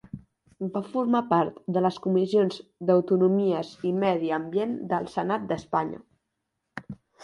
Va formar part de les comissions d'autonomies i medi ambient del Senat d'Espanya.